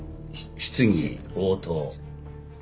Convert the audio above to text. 「質疑応答」